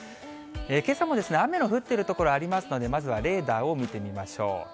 けさも雨の降っている所ありますので、まずはレーダーを見てみましょう。